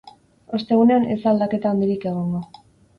Ostegunean ez da aldaketa handirik egongo.